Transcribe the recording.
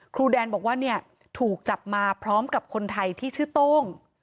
ครูแดนบอกว่าเนี่ยถูกจับมาพร้อมกับคนไทยที่ชื่อโต้ง